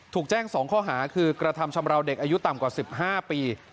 ถูกแจ้ง๒ข้อหาคือกระทำชำราวเด็กอายุต่ำกว่า๑๕ปี